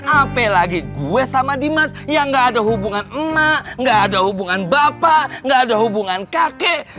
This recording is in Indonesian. apalagi gue sama dimas yang gak ada hubungan emak gak ada hubungan bapak nggak ada hubungan kakek